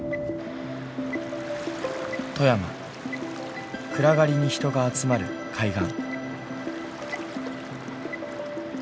富山暗がりに人が集まる海岸。